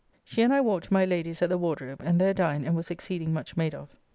She and I walked to my Lady's at the Wardrobe, and there dined and was exceeding much made of.